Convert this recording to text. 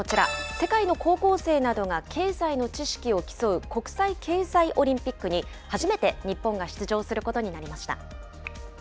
世界の高校生などが経済の知識を競う国際経済オリンピックに、初めて日本が出場することになりました。